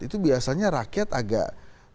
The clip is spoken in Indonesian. itu biasanya rakyat agak